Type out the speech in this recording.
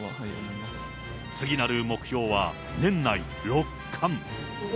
次なる目標は、年内六冠。